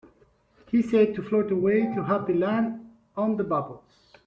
He said to float away to Happy Land on the bubbles.